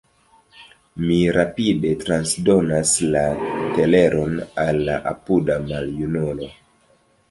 Mi rapide transdonas la teleron al la apuda maljunulo.